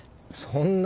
そんな。